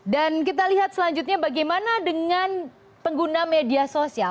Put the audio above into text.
dan kita lihat selanjutnya bagaimana dengan pengguna media sosial